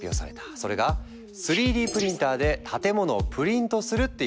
それが３Ｄプリンターで建物をプリントするっていうマジ？